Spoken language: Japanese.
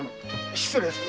失礼する。